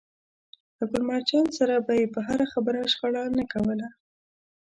له ګل مرجان سره به يې پر هره خبره شخړه نه کوله.